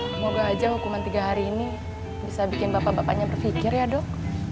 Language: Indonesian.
semoga aja hukuman tiga hari ini bisa bikin bapak bapaknya berpikir ya dok